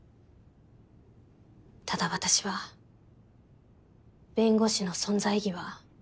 ただ私は弁護士の存在意義は。